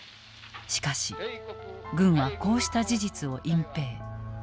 しかし軍はこうした事実を隠ぺい。